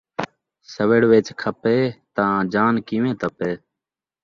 سوّڑ وچ کھپّے ، تاں جان کیویں تپّے